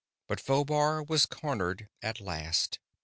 But Phobar was cornered at last.